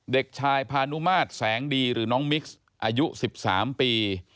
เด็กชายพานุมาตรแสงดีหรือน้องมิกซ์อายุ๑๓ปี